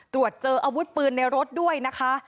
ตรวจเจออาวุธปืนในรถด้วยนะคะ